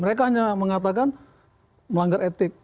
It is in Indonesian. mereka hanya mengatakan melanggar etik